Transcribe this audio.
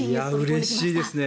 うれしいですね。